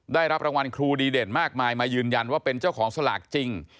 ได้รับรางวัลครูดีเด่นมากมายมายืนยันว่าเป็นเจ้าของสลากจริง